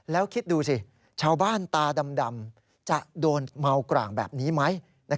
แล้วคิดดูสิชาวบ้านตาดำจะโดนเมากร่างแบบนี้ไหม